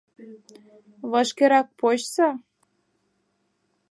— Вашкерак почса!